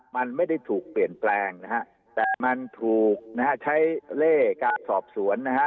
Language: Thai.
มันไม่ได้ถูกเปลี่ยนแปลงนะฮะแต่มันถูกนะฮะใช้เล่กับสอบสวนนะฮะ